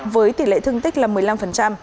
với tỉ lệ thương tích là một mươi năm